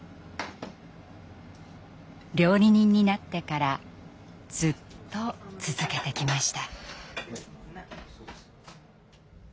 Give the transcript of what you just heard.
料理人になってからずっと続けてきました。